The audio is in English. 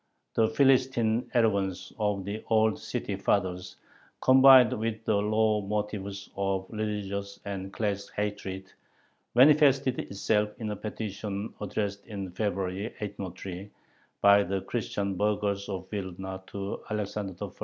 The Philistine arrogance of the old "city fathers," combined with the low motives of religious and class hatred, manifested itself in a petition addressed in February, 1803, by the Christian burghers of Vilna to Alexander I.